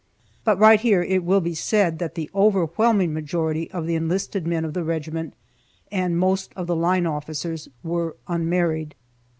(But right here it will be said that the overwhelming majority of the enlisted men of the regiment, and the most of the line officers, were unmarried.)